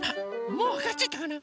もうわかっちゃったかな？